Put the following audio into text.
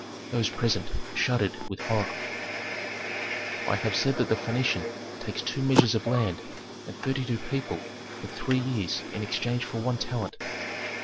Those present shuddered with horror. "I have said that the Phœnician takes two measures of land and thirty two people for three years in exchange for one talent.